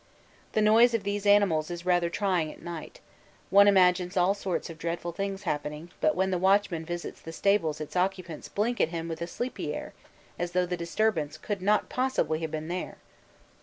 The noise of these animals is rather trying at night one imagines all sorts of dreadful things happening, but when the watchman visits the stables its occupants blink at him with a sleepy air as though the disturbance could not possibly have been there!